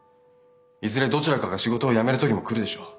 いずれどちらかが仕事をやめる時も来るでしょう。